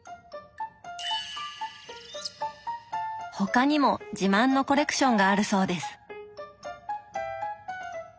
他にも自慢のコレクションがあるそうです。